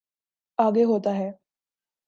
آگے ہوتا ہے۔